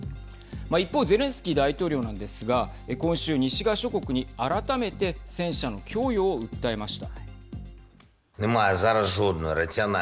一方ゼレンスキー大統領なんですが今週、西側諸国に改めて戦車の供与を訴えました。